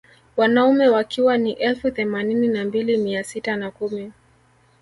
Wanaume wakiwa ni elfu themanini na mbili mia sita na kumi